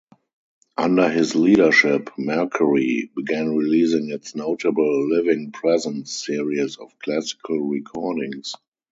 Under his leadership, Mercury began releasing its notable "Living Presence" series of classical recordings.